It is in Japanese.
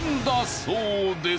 そうです。